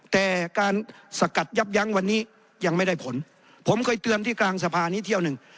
แต่การสกัดยับยั้งวันนี้ยังไม่ได้ผลผมเคยเตือนที่กลางสภานี้เที่ยวหนึ่ง